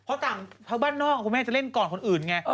เพราะต่างบ้านนอกคุณแม่จะเล่นก่อนคนอื่นไง